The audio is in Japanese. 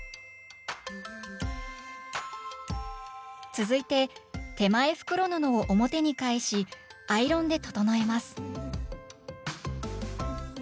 続いて手前袋布を表に返しアイロンで整えます